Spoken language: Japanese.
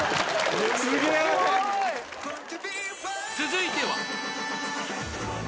［続いては］